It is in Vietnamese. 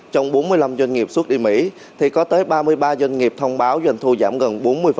trong bốn mươi năm doanh nghiệp xuất đi mỹ thì có tới ba mươi ba doanh nghiệp thông báo doanh thu giảm gần bốn mươi